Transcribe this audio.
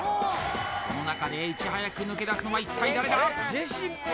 この中でいち早く抜け出すのは一体誰だ？